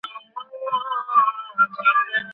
দেখুন দেখি, আপনি কি মনে করেন আপনাকে আমি সন্দেহ করিতেছি?